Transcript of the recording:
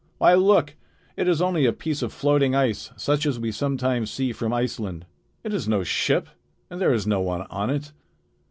Why, look! It is only a piece of floating ice such as we sometimes see from Iceland. It is no ship, and there is no one on it."